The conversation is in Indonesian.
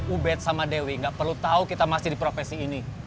ubed sama dewi gak perlu tahu kita masih di profesi ini